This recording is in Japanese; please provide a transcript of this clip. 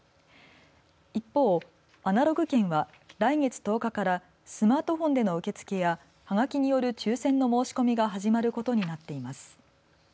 一方、アナログ券は来月１０日からスマートフォンでの受け付けやはがきによる抽せんの申し込みが始まることになっています。